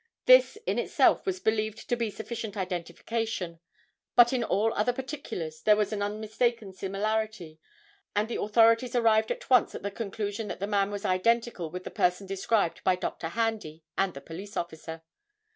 This, in itself, was believed to be sufficient identification, but in all other particulars there was an unmistaken similarity, and the authorities arrived at once at the conclusion that the man was identical with the person described by Dr. Handy and the police officer.